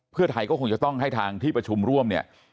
เพื่อไทยก็คงจะต้องให้ทางที่ประชุมร่วมเนี่ย